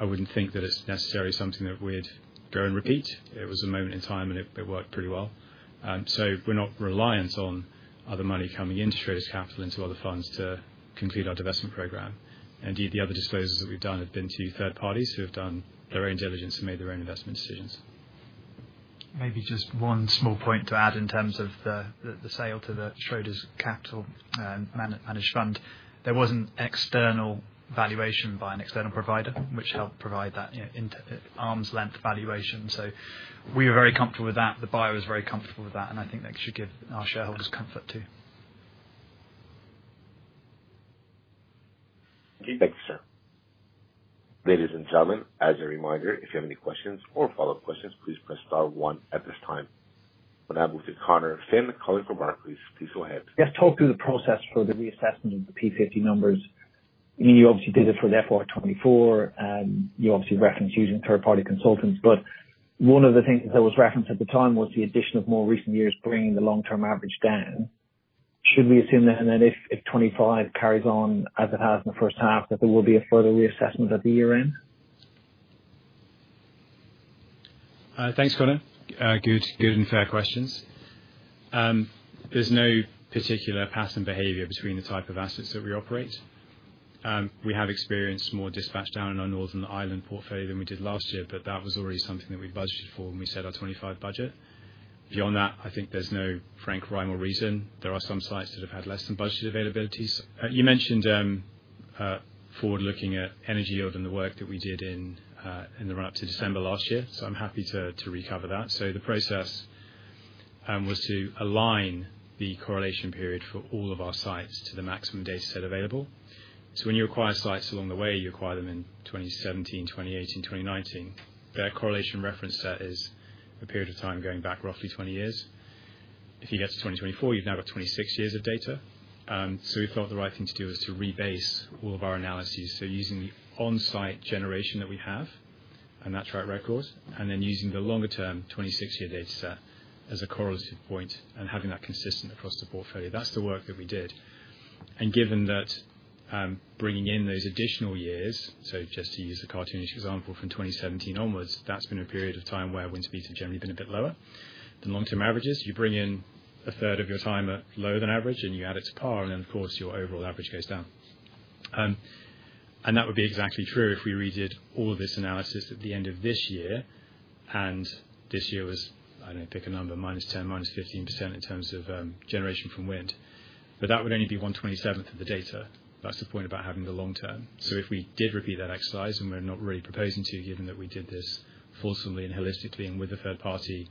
[SPEAKER 1] I wouldn't think that it's necessarily something that we'd go and repeat. It was a moment in time and it worked pretty well. So we're not reliant on other money coming into Schroders Capital into other funds to complete our divestment program. Indeed, the other disposals that we've done have been to third parties who have done their own diligence and made their own investment decisions.
[SPEAKER 2] Maybe just one small point to add in terms of the sale to the Schroders Capital managed fund. There was an external valuation by an external provider, which helped provide that arm's length valuation. So we are very comfortable with that. The buyer is very comfortable with that and I think that should give our shareholders comfort too.
[SPEAKER 3] Thank you, sir. We'll now move to Connor Finn calling from Barclays. Please go ahead.
[SPEAKER 7] Yes. Talk through the process for the reassessment of the P50 numbers. I mean you obviously did it for the FY 2024 and you obviously referenced using third party consultants. But one of the things that was referenced at the time was the addition of more recent years bringing the long term average down. Should we assume that? And then if '25 carries on as it has in the first half that there will be a further reassessment at the year end?
[SPEAKER 1] Thanks, Connor. Good and fair questions. There's no particular pattern behavior between the type of assets that we operate. We have experienced more dispatch down in our Northern Ireland portfolio than we did last year, but that was already something that we budgeted for when we set our '25 budget. Beyond that, I think there's no frank rhyme or reason. There are some sites that have had less than budgeted availabilities. You mentioned forward looking at energy yield and the work that we did in the run up to December. So I'm happy to recover that. So the process was to align the correlation period for all of our sites to the maximum data set available. So when you acquire sites along the way, you acquire them in 2017, 2018, 2019. That correlation reference set is a period of time going back roughly twenty years. If you get to 2024, you've now got twenty six years of data. So we felt the right thing to do is to rebase all of our analyses. So using the on-site generation that we have and that track record and then using the longer term twenty six year data set as a correlative point and having that consistent across the portfolio. That's the work that we did. And given that bringing in those additional years, so just to use a cartoonish example from 2017 onwards, that's been a period of time where wind speeds have generally been a bit lower than long term averages. You bring in a third of your time at lower than average and you add it to par and then of course your overall average goes down. And that would be exactly true if we redid all this analysis at the end of this year. And this year was, don't know, pick a number minus 10%, minus 15% in terms of generation from wind. But that would only be onetwenty seven of the data. That's the point about having the long term. So if we did repeat that exercise, and we're not really proposing to, given that we did this fulsomely and holistically and with a third party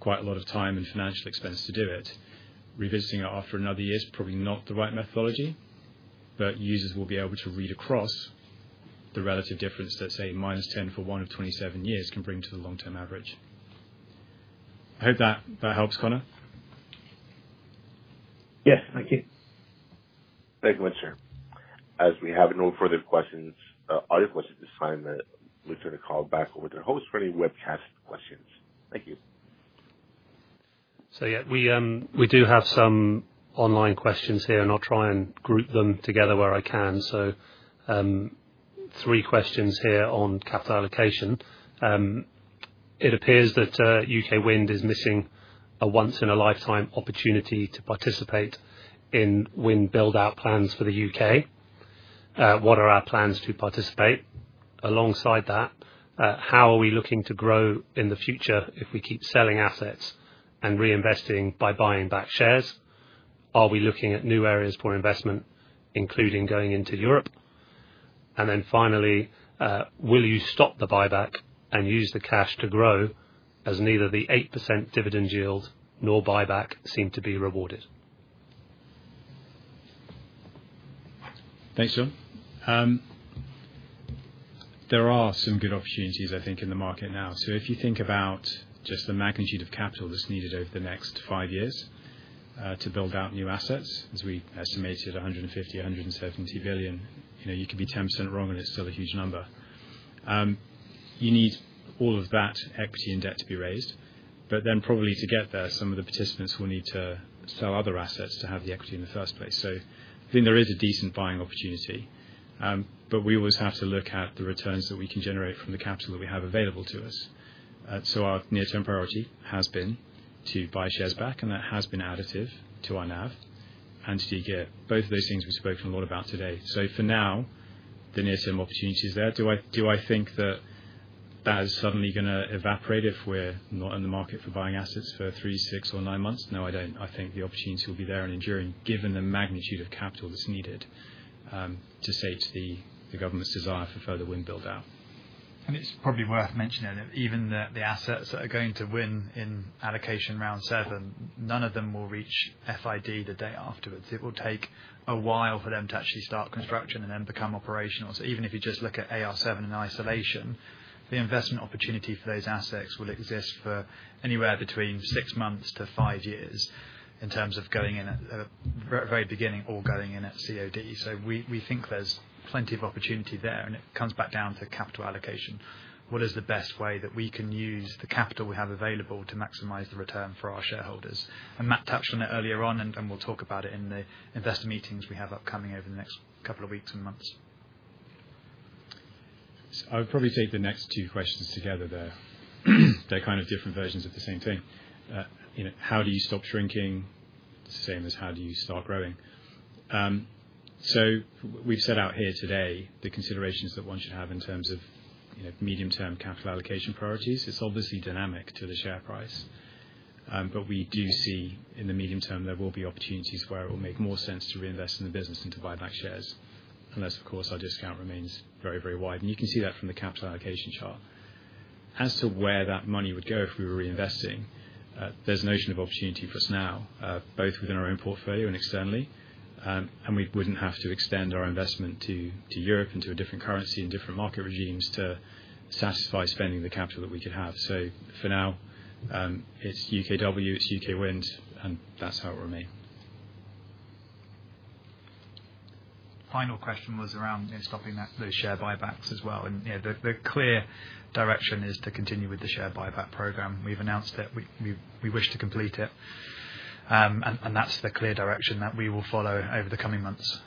[SPEAKER 1] quite a lot of time and financial expense to do it, revisiting it after another year is probably not the right methodology, but users will be able to read across the relative difference let's say minus 10 for one of twenty seven years can bring to the long term average. I hope that helps Conor.
[SPEAKER 7] Yes. Thank you.
[SPEAKER 3] Thank you, Richard. As we have no further questions audio questions at this time, will turn the call back over to the host for any webcast questions. Thank you.
[SPEAKER 8] So, yes, we do have some online questions here and I'll try and group them together where I can. So three questions here on capital allocation. It appears that U. K. Wind is missing a once in a lifetime opportunity to participate in wind build out plans for The U. K. What are our plans to participate? Alongside that, how are we looking to grow in the future if we keep selling assets and reinvesting by buying back shares? Are we looking at new areas for investment including going into Europe? And then finally, will you stop the buyback and use the cash to grow as neither the 8% dividend yield nor buyback seem to be rewarded?
[SPEAKER 1] Thanks John. There are some good opportunities I think in the market now. So if you think about just the magnitude of capital that's needed over the next five years to build out new assets as we estimated 150,000,000,170 billion pounds You can be 10% wrong and it's still a huge number. You need all of that equity and debt to be raised. But then probably to get there, some of the participants will need to sell other assets to have the equity in the first place. So I think there is a decent buying opportunity. But we always have to look at the returns that we can generate from the capital that we have available to us. So our near term priority has been to buy shares back and that has been additive to our NAV and to dig it. Both of those things we spoke a lot about today. So for now, the near term opportunity is there. Do I think that, that is suddenly going to evaporate if we're not in the market for buying assets for three, six or nine months? No, I don't. I think the opportunity will be there and enduring given the magnitude of capital that's needed to sage the government's desire for further wind build out.
[SPEAKER 2] And it's probably worth mentioning that even the assets that are going to win in allocation round seven, none of them will reach FID the day afterwards. It will take a while for them to actually start construction and then become operational. So even if you just look at AR7 in isolation, the investment opportunity for those assets will exist for anywhere between six months to five years in terms of going in at the very beginning or going in at COD. So we think there's plenty of opportunity there and it comes back down to capital allocation. What is the best way that we can use the capital we have available to maximize the return for our shareholders? And Matt touched on it earlier on and we'll talk about it in the investor meetings we have upcoming over the next couple of weeks and months.
[SPEAKER 1] I'll probably take the next two questions together there. They're kind of different versions of the same thing. How do you stop shrinking? It's the same as how do you start growing. So we've set out here today the considerations that one should have in terms of medium term capital allocation priorities. It's obviously dynamic to the share price. But we do see in the medium term there will be opportunities where it will make more sense to reinvest in the business and to buy back shares unless of course our discount remains very, very wide. And you can see that from the capital allocation chart. As to where that money would go if we were reinvesting, there's a notion of opportunity for us now, both within our own portfolio and externally. And we wouldn't have to extend our investment to Europe and to a different currency and different market regimes to satisfy spending the capital that we could have. So for now, it's UKW, it's UKWind and that's how it will remain.
[SPEAKER 2] Final question was around stopping that those share buybacks as well. And the clear direction is to continue with the share buyback program. We've announced that we wish to complete it. And that's the clear direction that we will follow over the coming months.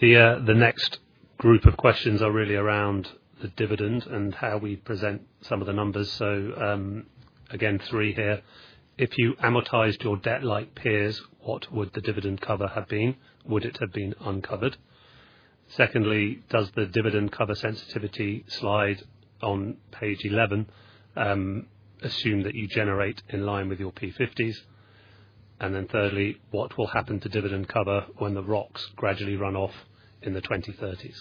[SPEAKER 8] The next group of questions are really around the dividend and how we present some of the numbers. So again three here. If you amortized your debt like peers, what would the dividend cover have been? Would it have been uncovered? Secondly, does the dividend cover sensitivity slide on page 11 assume that you generate in line with your P50s? And then thirdly, what will happen to dividend cover when the rocks gradually run off in the 2030s?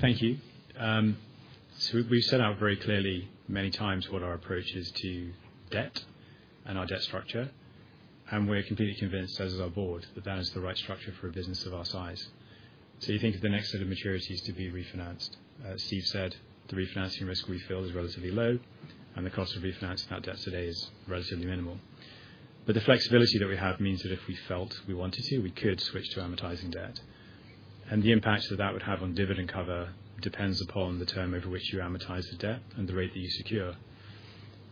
[SPEAKER 1] Thank you. So we've set out very clearly many times what our approach is to debt and our debt structure. And we're completely convinced as is our Board that that is the right structure for a business of our size. You think of the next set of maturities to be refinanced. As Steve said, the refinancing risk we feel is relatively low and the cost of refinancing our debt today is relatively minimal. But the flexibility that we have means that if we felt we wanted to, we could switch to amortizing debt. And the impact that that would have on dividend cover depends upon the term over which you amortize the debt and the rate that you secure.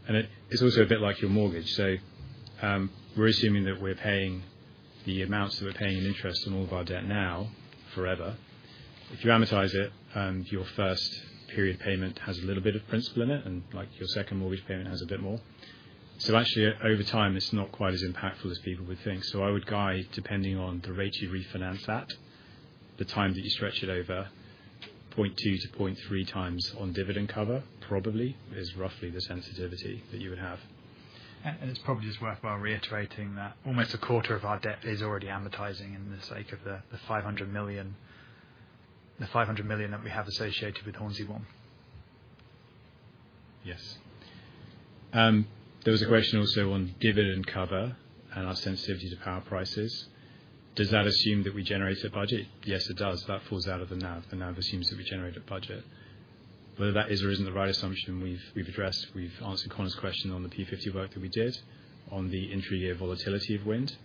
[SPEAKER 1] And it's also a bit like your mortgage. So we're assuming that we're paying the amounts that we're paying in interest in all of our debt now forever. If you amortize it, your first period payment has a little bit of principal in it and like your second mortgage payment has a bit more. So actually, over time, it's not quite as impactful as people would think. So I would guide depending on the rate you refinance that, the time that you stretch it over 0.2 to 0.3 times on dividend cover probably is roughly the sensitivity that you would have.
[SPEAKER 2] And it's probably just worthwhile reiterating that almost a quarter of our debt is already amortizing in the sake of the £500,000,000 that we have associated with Hornsby one.
[SPEAKER 1] Yes. There was a question also on dividend cover and our sensitivity to power prices. Does that assume that we generate a budget? Yes, does. That falls out of the NAV. The NAV assumes that we generate a budget. Whether that is or isn't the right assumption we've addressed, we've answered Conor's question on the P50 work that we did on the intra year volatility of wind.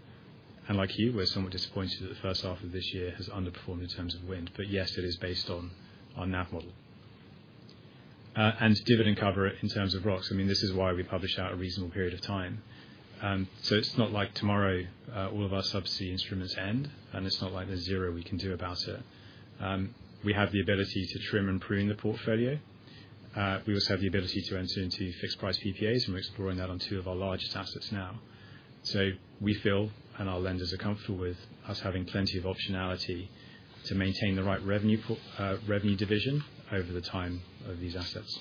[SPEAKER 1] And like you, we're somewhat disappointed that the first half of this year has underperformed in terms of wind. But yes, it is based on NAV model. And dividend cover in terms of ROCs, I mean, is why we publish out a reasonable period of time. So it's not like tomorrow all of our subsea instruments end and it's not like there's zero we can do about it. We have the ability to trim and prune the portfolio. We also have the ability to enter into fixed price PPAs and we're exploring that on two of our largest assets now. So we feel and our lenders are comfortable with us having plenty of optionality to maintain the right revenue division over the time of these assets.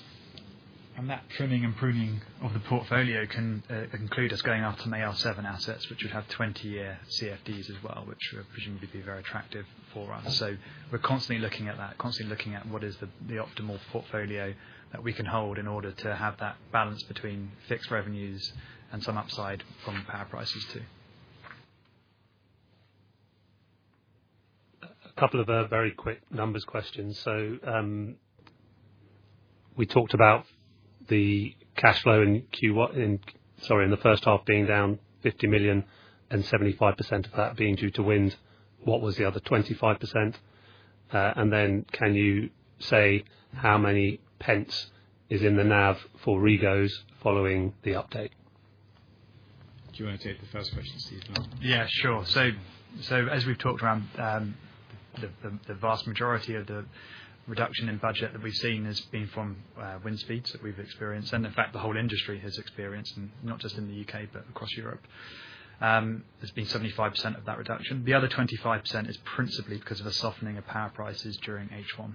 [SPEAKER 2] And that trimming and pruning of the portfolio can include us going after an AL7 asset, which would have twenty year CFDs as well, which we presume would be very attractive for us. So we're constantly looking at that, constantly looking at what is the optimal portfolio that we can hold in order to have that balance between fixed revenues and some upside from power prices too.
[SPEAKER 8] A couple of very quick numbers questions. So we talked about the cash flow in sorry in the first half being down £50,000,000 and 75% of that being due to wind. What was the other 25%? And then can you say how many pence is in the NAV for Regos following the update?
[SPEAKER 1] Do you want to take the first question Steve?
[SPEAKER 2] Sure. So as we've talked around the vast majority of the reduction in budget that we've seen has been from wind speeds that we've experienced. And in fact the whole industry has experienced not just in The U. K. But across Europe. There's been 75% of that reduction. The other 25% is principally because of a softening of power prices during H1.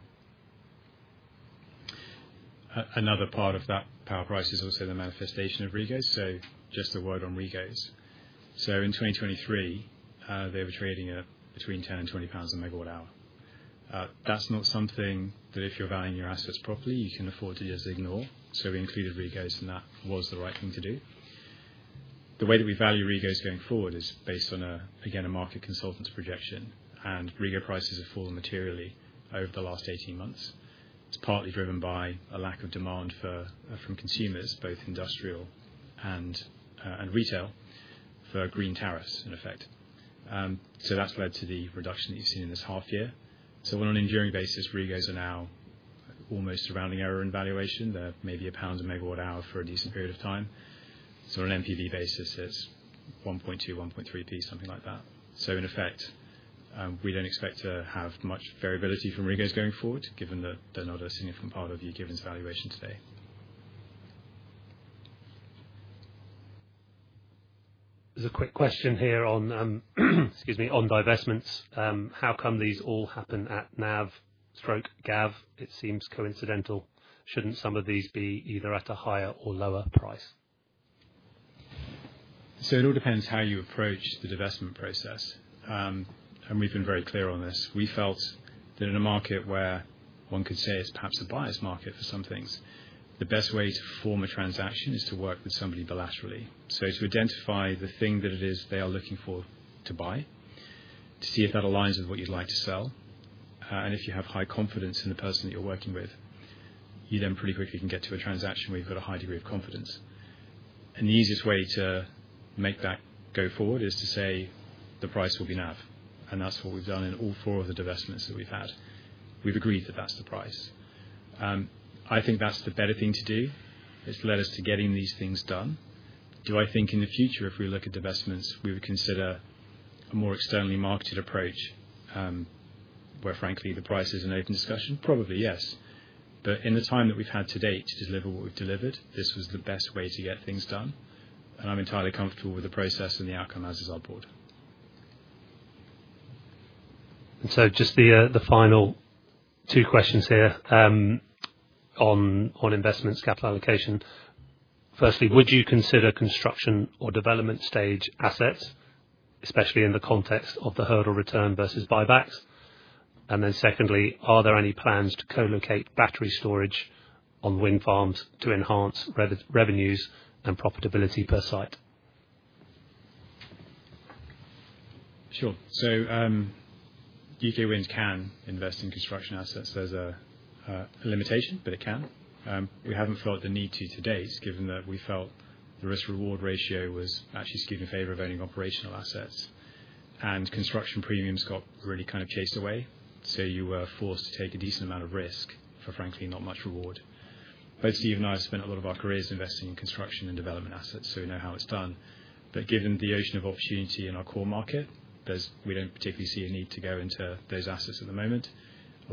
[SPEAKER 1] Another part of that power price is also the manifestation of rigos. So just a word on rigos. So in 2023, they were trading at between £10 and £20 a megawatt hour. That's not something that if you're valuing your assets properly, you can afford to just ignore. So we included rigos and that was the right thing to do. The way that we value rigos going forward is based on again a market consultant's projection and rigo prices have fallen materially over the last eighteen months. It's partly driven by a lack of demand from consumers both industrial and retail for green tariffs in effect. So that's led to the reduction that you've seen in this half year. So on an enduring basis, regos are now almost surrounding error in valuation, maybe £1 a megawatt hour for a decent period of time. So on an NPV basis it's 1.2, 1.3 something like that. So in effect, we don't expect to have much variability from rigos going forward given that they're not a significant part of you given its valuation today.
[SPEAKER 8] There's a quick question here on divestments. How come these all happen at NAVGAV? It seems coincidental. Shouldn't some of these be either at a higher or lower price?
[SPEAKER 1] So it all depends how you approach the divestment process. And we've been very clear on this. We felt that in a market where one could say it's perhaps a bias market for some things, the best way to form a transaction is to work with somebody bilaterally. So to identify the thing that it is they are looking for to buy, to see if that aligns with what you'd like to sell. And if you have high confidence in the person that you're working with, you then pretty quickly can get to a transaction where you've got a high degree of confidence. And the easiest way to make that go forward is to say the price will be NAV. And that's what we've done in all four of the divestments that we've had. We've agreed that that's the price. I think that's the better thing to do. It's led us to getting these things done. Do I think in the future if we look at divestments, we would consider a more externally marketed approach where frankly the price is an open discussion? Probably yes. But in the time that we've had to date to deliver what we've delivered, this was the best way to get things done. And I'm entirely comfortable with the process and the outcome as is our Board.
[SPEAKER 8] And so just the final two questions here on investments capital allocation. Firstly, would you consider construction or development stage assets, especially in the context of the hurdle return versus buybacks? And then secondly, are there any plans to co locate battery storage on wind farms to enhance revenues and profitability per site?
[SPEAKER 1] Sure. So U. K. Winds can invest in construction assets as a limitation, but it can. We haven't felt the need to today, given that we felt the risk reward ratio was actually skewed in favor of owning operational assets And construction premiums got really kind of chased away. So you were forced to take a decent amount of risk for frankly not much reward. But Steve and I have spent a lot of our careers investing in construction and development assets, we know how it's done. But given the ocean of opportunity in our core market, there's we don't particularly see a need to go into those assets at the moment.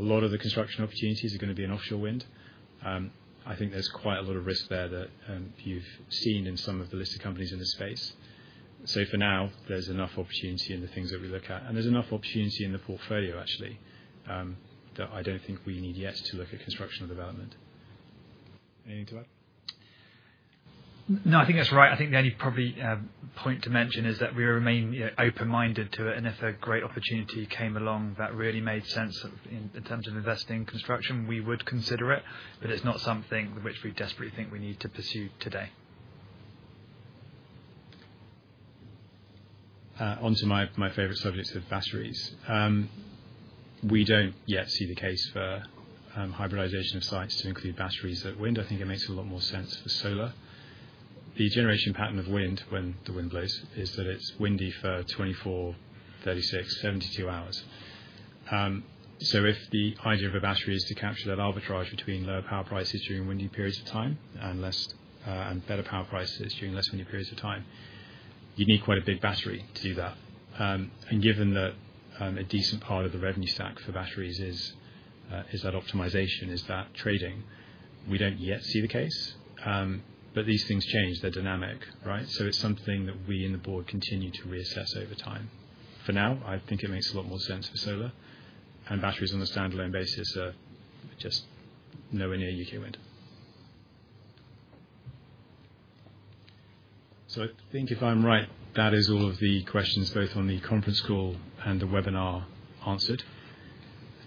[SPEAKER 1] A lot of the construction opportunities are going to be in offshore wind. I think there's quite a lot of risk there that you've seen in some of the listed companies in this space. So for now there's enough opportunity in the things that we look at. And there's enough opportunity in the portfolio actually that I don't think we need yet to look at construction and development. Anything to add?
[SPEAKER 2] No, think that's right. I think the only probably point to mention is that we remain open minded to it. And if a great opportunity came along that really made sense in terms of investing in construction, we would consider it. But it's not something which we desperately think we need to pursue today.
[SPEAKER 1] On to my favorite subject of batteries. We don't yet see the case for hybridization of sites to include batteries at wind. I think it makes a lot more sense for solar. The generation pattern of wind when the wind blows is that it's windy for twenty four, thirty six, seventy two hours. So if the hydrogen for batteries to capture that arbitrage between lower power prices during winding periods of time and less and better power prices during less windy periods of time. You need quite a big battery to do that. And given that a decent part of the revenue stack for batteries is that optimization, is that trading, we don't yet see the case. But these things change, they're dynamic, right? So it's something that we and the Board continue to reassess over time. For now, I think it makes a lot more sense for solar and batteries on a standalone basis are just nowhere near U. Wind. So I think if I'm right that is all of the questions both on the conference call and the webinar answered.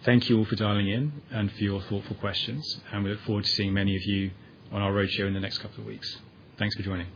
[SPEAKER 1] Thank you all for dialing in and for your thoughtful questions. And we look forward to seeing many of you on our road show in the next couple of weeks. Thanks for joining.